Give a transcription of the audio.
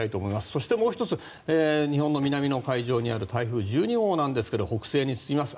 そしてもう１つ、日本の南の海上の台風１２号ですが北西に進みます。